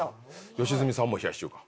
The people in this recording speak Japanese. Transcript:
良純さんも冷やし中華。